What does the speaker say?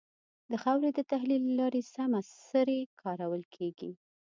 د خاورې د تحلیل له لارې سمه سري کارول کېږي.